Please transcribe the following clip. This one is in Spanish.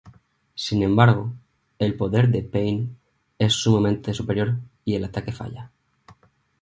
Sin embargo, el poder de Pain es sumamente superior y el ataque falla.